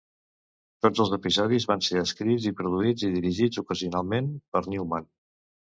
Tots els episodis van ser escrits i produïts, i dirigits ocasionalment, per Newman.